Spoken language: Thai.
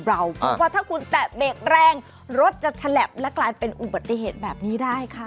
เพราะว่าถ้าคุณแตะเบรกแรงรถจะฉลับและกลายเป็นอุบัติเหตุแบบนี้ได้ค่ะ